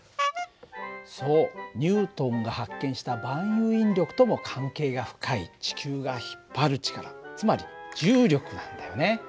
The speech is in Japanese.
そうニュートンが発見した万有引力とも関係が深い地球が引っ張る力つまり重力なんだよね。